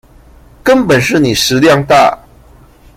根本是你食量大